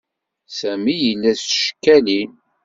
Sami yella s tcekkalin.